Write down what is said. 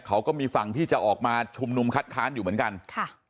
เขาก็มีฝั่งที่จะออกมาชุมนุมคัดค้านอยู่เหมือนกันค่ะ